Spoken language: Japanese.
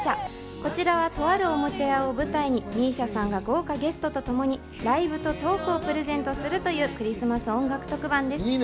こちらは、とあるおもちゃ屋を舞台にＭＩＳＩＡさんが豪華ゲストとともにライブとトークをプレゼントするというクリスマス音楽特番です。